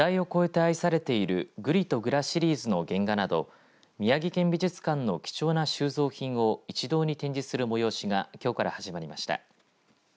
世代を超えて愛されているぐりとぐらシリーズの原画など宮城県美術館の貴重な収蔵品を一堂に展示する催しがきょうから始まりました。